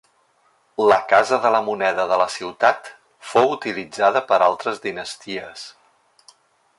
La casa de la moneda de la ciutat fou utilitzada per altres dinasties.